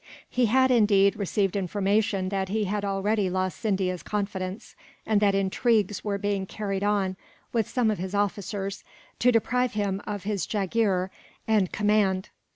He had, indeed, received information that he had already lost Scindia's confidence; and that intrigues were being carried on, with some of his officers, to deprive him of his jagheer and command.